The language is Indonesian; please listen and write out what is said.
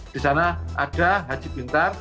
di sana ada haji pintar